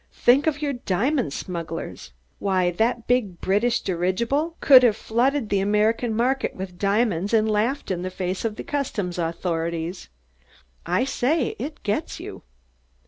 Think of your diamond smugglers! Why, that big British dirigible could have flooded the American market with diamonds and laughed in the face of the customs authorities. I say it gets you."